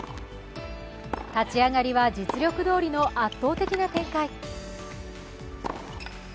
立ち上がりは実力どおりの圧倒的な展開。